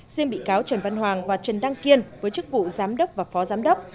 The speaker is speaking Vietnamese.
riêng bị cáo trần văn hoàng và trần đăng kiên với chức vụ giám đốc và phó giám đốc